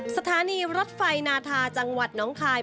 สถานีรถไฟนาธาจังหวัดน้องคาย